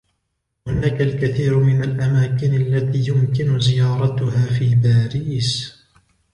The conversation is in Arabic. هناك الكثير من الأماكن التي يمكن زيارتها في باريس.